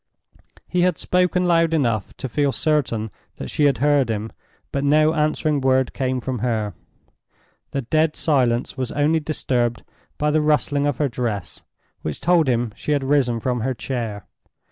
He had spoken loud enough to feel certain that she had heard him, but no answering word came from her. The dead silence was only disturbed by the rustling of her dress, which told him she had risen from her chair.